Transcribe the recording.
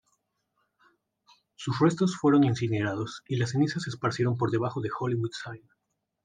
Sus restos fueron incinerados, y las cenizas se esparcieron por debajo del Hollywood Sign.